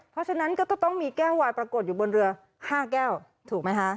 เพราะฉะนั้นก็ต้องมีแก้ววายปรากฏอยู่บนเรือ๕แก้วถูกไหมคะ